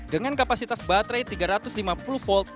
dengan kapasitas baterai tiga ratus lima puluh volt